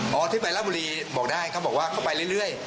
ยังไม่บอกเลยอ๋อที่ไปล่าบุรีบอกได้เขาบอกว่าเขาไปเรื่อยเรื่อย